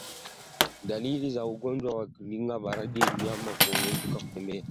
Dalili za ugonjwa wa ndigana baridi ni mnyama kugoma kutembea